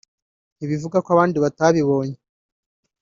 ntibivuga ko abandi batabibonye